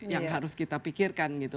yang harus kita pikirkan gitu